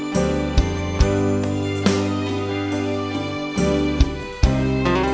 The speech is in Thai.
เพื่อรับความรับทราบของคุณ